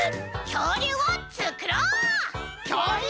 きょうりゅうをつくろう！